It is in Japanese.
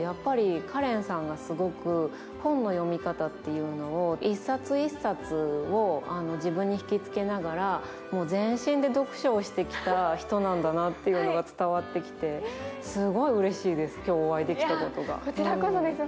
花恋さんがすごく本の読み方というのを一冊一冊を自分に引きつけながら全身で読書をしてきた人なんだなというのが伝わってきて、すごいうれしいです、今日、お会いできたことが。